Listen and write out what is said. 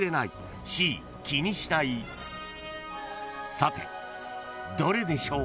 ［さてどれでしょう？］